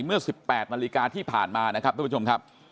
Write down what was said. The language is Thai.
เมื่อ๑๘นาฬิกาที่ผ่านมานะครับทุกผู้ชมครับ